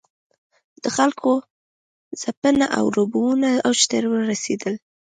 د خلکو ځپنه او ربړونه اوج ته ورسېدل.